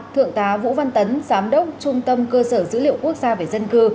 thượng tá vũ văn tấn giám đốc trung tâm cơ sở dữ liệu quốc gia về dân cư